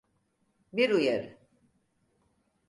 Bir uyarı.